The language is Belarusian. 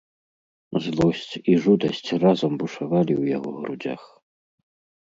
Злосць і жудасць разам бушавалі ў яго грудзях.